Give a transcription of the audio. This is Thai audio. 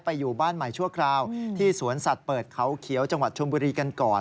อยู่บ้านใหม่ชั่วคราวที่สวนสัตว์เปิดเขาเขียวจังหวัดชมบุรีกันก่อน